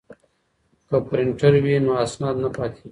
که پرینټر وي نو اسناد نه پاتیږي.